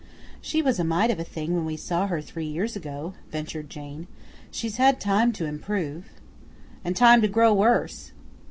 "She was a mite of a thing when we saw her three years ago," ventured Jane; "she's had time to improve." "And time to grow worse!"